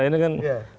ini kan kekuasaan